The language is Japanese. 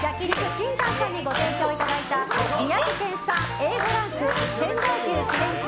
ＫＩＮＴＡＮさんにご提供いただいた宮城県産Ａ５ランク仙台牛フィレ肉